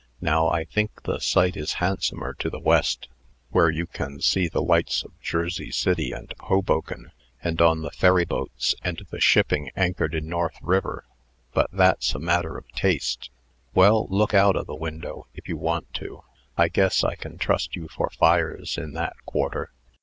Now, I think the sight is handsomer to the west, where you can see the lights of Jersey City and Hoboken, and on the ferry boats and the shipping anchored in North River. But that's a matter o' taste. Well, look out o' the window, if you want to. I guess I can trust you for fires in that quarter."